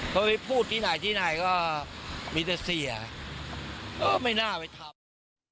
เขาไปพูดที่ไหนที่ไหนก็มีแต่เสียก็ไม่น่าไปทำ